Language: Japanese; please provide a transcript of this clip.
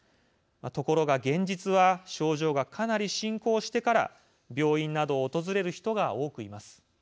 ところが現実は症状がかなり進行してから病院などを訪れる人が多くいます。